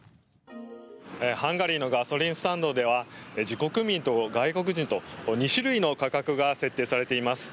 ハンガリーのガソリンスタンドでは自国民と外国人と２種類の価格が設定されています。